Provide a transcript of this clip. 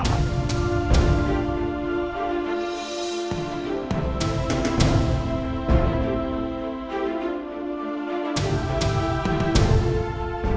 ricky mencari mama